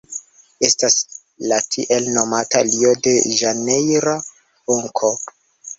Estas la tiel nomata Rio-de-Ĵanejra Funko.